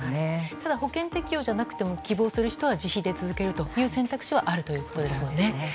ただ、保険適用じゃなくても希望する人は自費で続けるという選択肢はあるということですよね。